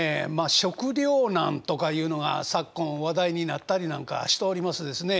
食糧難とかいうのが昨今話題になったりなんかしておりますですね。